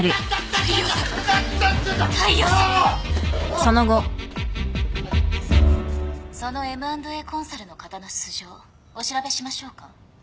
そのＭ＆Ａコンサルの方の素性お調べしましょうか？